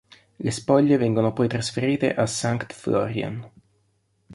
Le spoglie vengono poi trasferite a Sankt Florian.